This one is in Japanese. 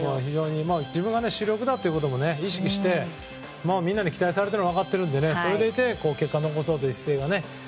自分が主力だということも意識してみんなに期待されているの分かっているのでそれでいて結果を残そうというね。